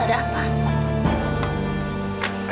mas ada apa